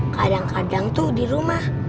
kadang kadang tuh di rumah